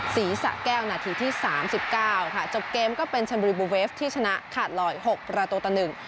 สะแก้วนาทีที่สามสิบเก้าค่ะจบเกมก็เป็นชนบุรีบูเวฟที่ชนะขาดลอย๖ประตูต่อหนึ่ง